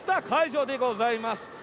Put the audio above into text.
会場でございます。